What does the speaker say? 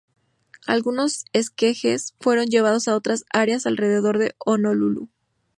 Algunos esquejes fueron llevados a otras áreas alrededor de Honolulu.